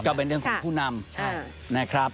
ก็เป็นเรื่องของผู้นำ